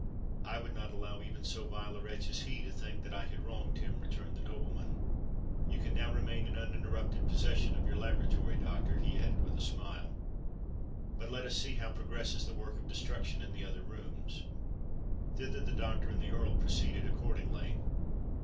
"I would not allow even so vile a wretch as he to think that I had wronged him," returned the nobleman. "You can now remain in uninterrupted possession of your laboratory, doctor," he added with a smile. "But let us see how progresses the work of destruction in the other rooms." Thither the doctor and the Earl proceeded accordingly.